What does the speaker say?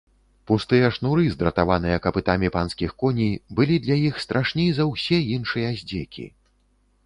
Пустыя шнуры, здратаваныя капытамі панскіх коней, былі для іх страшней за ўсе іншыя здзекі.